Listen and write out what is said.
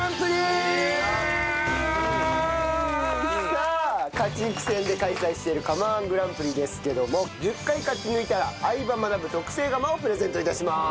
さあ勝ち抜き戦で開催している釜−１グランプリですけども１０回勝ち抜いたら『相葉マナブ』特製釜をプレゼント致します。